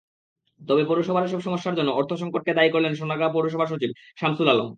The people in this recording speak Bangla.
তবে পৌরসভার এসব সমস্যার জন্য অর্থসংকটকে দায়ী করলেন সোনারগাঁ পৌরসভার সচিব শামসুল আলম।